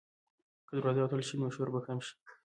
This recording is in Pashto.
که دروازه وتړل شي، نو شور به کم شي.